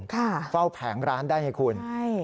ใช่เช้าบ้านเขาไม่สามารถมาเฝ้า